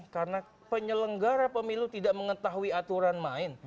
karena penyelenggara pemilu tidak mengetahui aturan main